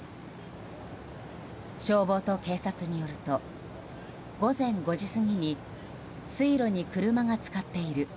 消防と警察によると午前５時過ぎに水路に車が浸かっている。